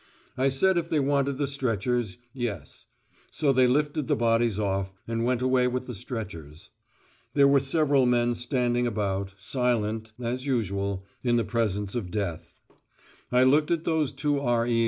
I said if they wanted the stretchers, yes. So they lifted the bodies off, and went away with the stretchers. There were several men standing about, silent, as usual, in the presence of death. I looked at those two R.E.